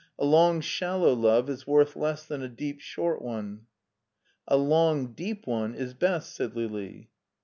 A long shallow love is worth less than a deep short one/* " A long deep one is best,'* said Lili.